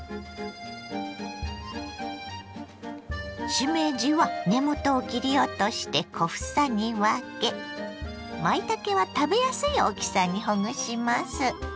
しめじは根元を切り落として小房に分けまいたけは食べやすい大きさにほぐします。